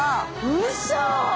うそ！